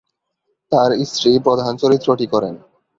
তার স্ত্রী প্রধান চরিত্রটি করেন।